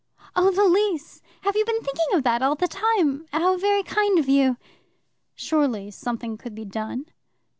"Oh, the lease! Have you been thinking of that all the time? How very kind of you!" "Surely something could be done."